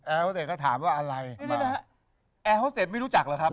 แอร์ฮอเซตก็ถามว่าอะไรแอร์ฮอเซตไม่รู้จักหรือครับ